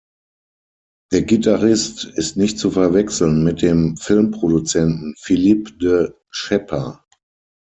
Der Gitarrist ist nicht zu verwechseln mit dem Filmproduzenten Philippe de Schepper.